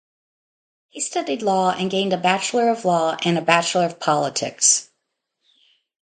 He studied law and gained a bachelor of law and a bachelor of politics.